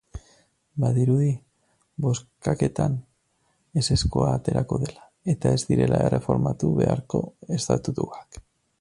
Badirudi, bozkaketan ezezkoa aterako dela eta ez direla erreformatu beharko estatutuak.